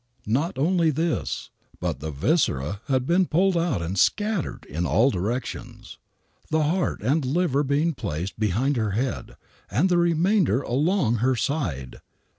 Not only this, but the viscera had been pulled out and scattered in all directions, the heart and liver being placed behind her head and the remainder along her side.